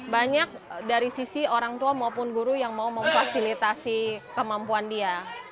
banyak dari sisi orang tua maupun guru yang mau memfasilitasi kemampuan dia